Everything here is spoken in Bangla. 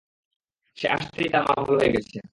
সে আসতেই তার মা ভালো হয়ে গেছে।